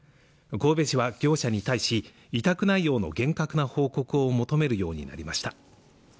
神戸市は業者に対し委託内容の厳格な報告を求めるようになりました